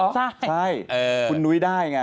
ใช่คุณนุ้ยได้ไง